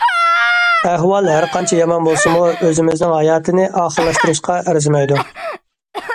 ئەھۋال ھەر قانچە يامان بولسىمۇ، ئۆزىمىزنىڭ ھاياتىنى ئاخىرلاشتۇرۇشقا ئەرزىمەيدۇ.